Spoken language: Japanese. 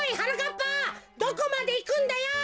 ぱどこまでいくんだよ！